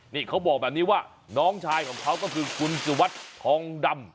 นี่เขาบอกแบบนี้ว่าน้องชายของเขาก็คือคุณสุวัสดิ์ทองดำ